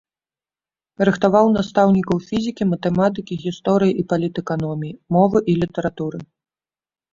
Рыхтаваў настаўнікаў фізікі, матэматыкі, гісторыі і палітэканоміі, мовы і літаратуры.